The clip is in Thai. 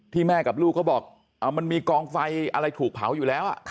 แม่กับลูกเขาบอกมันมีกองไฟอะไรถูกเผาอยู่แล้ว